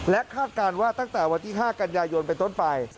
คาดการณ์ว่าตั้งแต่วันที่๕กันยายนเป็นต้นไป